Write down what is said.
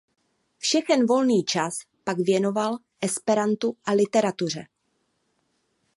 Všechen volný čas pak věnoval esperantu a literatuře.